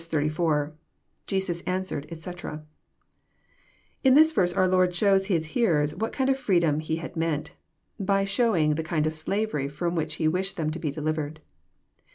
ti.— [Jesus answered^ etc.'] In this verse our Lord shows His hearers what kind of Areedom He had meant, by showing the kind of slavery fh)m which He wished them to be delivered.